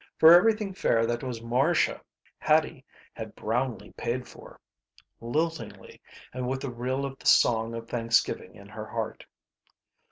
For everything fair that was Marcia, Hattie had brownly paid for. Liltingly, and with the rill of the song of thanksgiving in her heart.